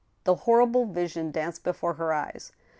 The horrible vision danced before her eyes.